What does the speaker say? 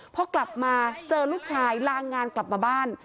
พอกลับมาเจอลูกชายลางงานกลับมาบ้าน